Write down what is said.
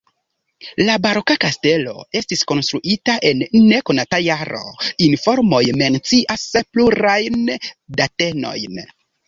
La baroka kastelo estis konstruita en nekonata jaro, informoj mencias plurajn datenojn.